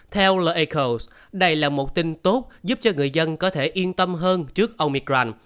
theo the echoes đây là một tin tốt giúp cho người dân có thể yên tâm hơn trước omicron